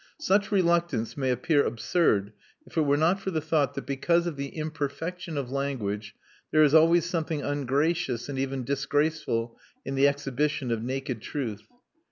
Such reluctance may appear absurd if it were not for the thought that because of the imperfection of language there is always something ungracious (and even disgraceful) in the exhibition of naked truth.